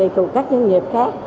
của các doanh nghiệp khác